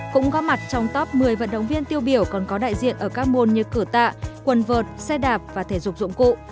cũng góp mặt trong top một mươi vận động viên tiêu biểu còn có đại diện ở các môn như cửa tạ quần vợt xe đạp và thể dục dụng cụ